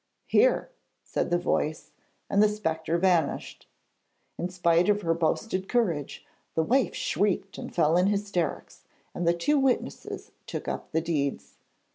'Here,' said a voice, and the spectre vanished. In spite of her boasted courage, the wife shrieked and fell in hysterics, and the two witnesses took up the deeds.